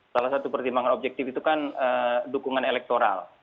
salah satu pertimbangan objektif itu kan dukungan elektoral